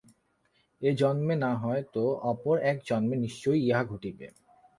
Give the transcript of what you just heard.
এ জন্মে না হয় তো অপর এক জন্মে নিশ্চয়ই ইহা ঘটিবে।